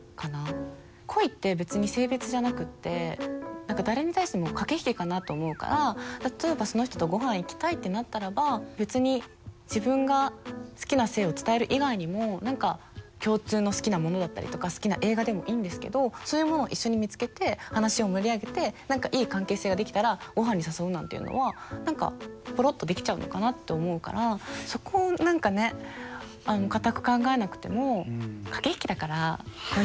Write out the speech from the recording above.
恋って別に性別じゃなくって誰に対しても駆け引きかなと思うから例えばその人とごはん行きたいってなったらば別に自分が好きな性を伝える以外にも何か共通の好きなものだったりとか好きな映画でもいいんですけどそういうものを一緒に見つけて話を盛り上げて何かいい関係性ができたらごはんに誘うなんていうのはぽろっとできちゃうのかなって思うからそこを何かね堅く考えなくても駆け引きだから恋ってそう。